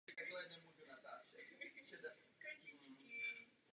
V bočních stěnách kaple byla umístěna vždy dvě okna obdélného tvaru s půlkruhovým zakončením.